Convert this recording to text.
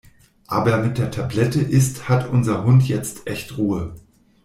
Aber mit der Tablette ist hat unser Hund jetzt echt Ruhe.